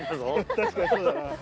確かにそうだな。